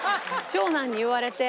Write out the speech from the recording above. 長男に言われて。